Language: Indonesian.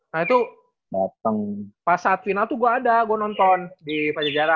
nah itu pas saat final tuh gue ada gue nonton di pajajaran